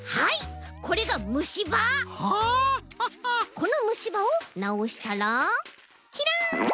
このむしばをなおしたらキラン！